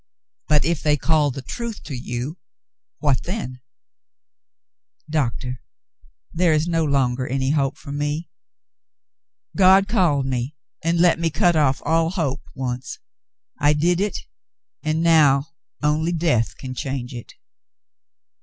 But if they called the truth to you — what then ?" Doctah, there is no longer any hope for me. God called me and let me cut off all hope, once. I did it, and now, only death can change it."